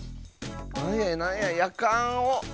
なんやなんややかんを。